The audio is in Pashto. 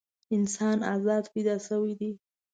انسان ازاد پیدا شوی دی.